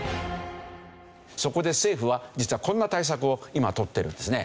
そこで政府は実はこんな対策を今とってるんですね。